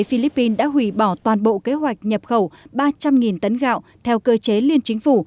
philippines đã hủy bỏ toàn bộ kế hoạch nhập khẩu ba trăm linh tấn gạo theo cơ chế liên chính phủ